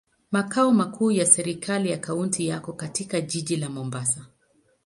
Makao makuu ya serikali ya kaunti yako katika jiji la Mombasa.